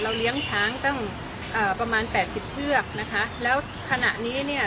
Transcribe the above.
เลี้ยงช้างตั้งเอ่อประมาณแปดสิบเชือกนะคะแล้วขณะนี้เนี่ย